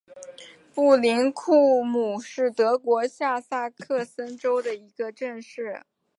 布林库姆是德国下萨克森州的一个市镇。